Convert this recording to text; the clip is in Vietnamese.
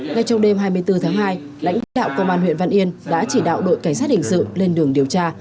ngay trong đêm hai mươi bốn tháng hai lãnh đạo công an huyện văn yên đã chỉ đạo đội cảnh sát hình sự lên đường điều tra